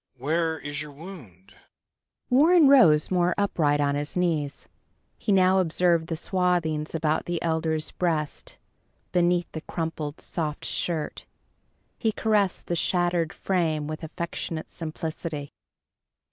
Where is your wound?" Warren rose more upright on his knees. He now observed the swathings about the elder's breast, beneath the crumpled soft shirt. He caressed the shattered frame with affectionate simplicity.